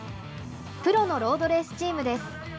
プロのロードレースチームです。